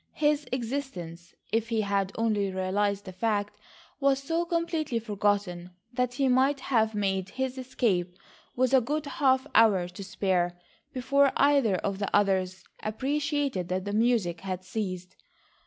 His existence, if he had only realised the fact, was so completely forgotten that he might have made his escape with a good half hour to spare before either of the others appreciated that the music had ceased.